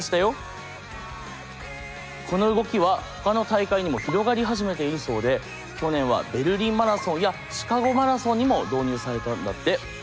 この動きはほかの大会にも広がり始めているそうで去年はベルリンマラソンやシカゴマラソンにも導入されたんだって。